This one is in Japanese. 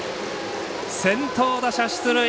先頭打者出塁。